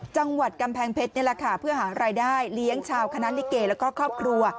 จังหวัดกำแพงเพชรนี่แหละค่ะเพื่อหารายได้เลี้ยงชาวคณะลิเกแล้วก็ครอบครัว